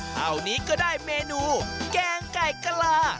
เท่านี้ก็ได้เมนูแกงไก่กะลา